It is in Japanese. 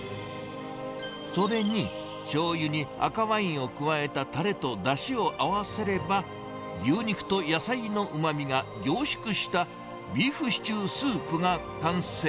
それに、しょうゆに赤ワインを加えた、たれとだしを合わせれば、牛肉と野菜のうまみが凝縮した、ビーフシチュースープが完成。